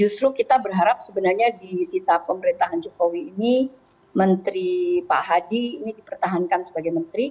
justru kita berharap sebenarnya di sisa pemerintahan jokowi ini menteri pak hadi ini dipertahankan sebagai menteri